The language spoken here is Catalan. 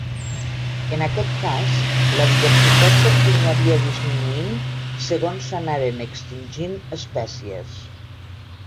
En aquest cas, la diversitat continuaria disminuint segons s’anaren extingint espècies.